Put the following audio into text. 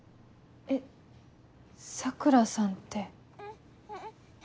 えっ桜さんって。